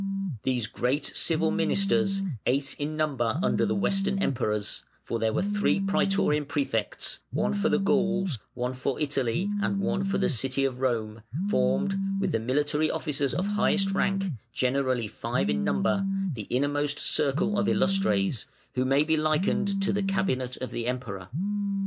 These great civil ministers, eight in number under the Western Emperors (for there were three Prætorian Prefects, one for the Gauls, one for Italy, and one for the City of Rome), formed, with the military officers of highest rank (generally five in number), the innermost circle of "Illustres", who may be likened to the Cabinet of the Emperor.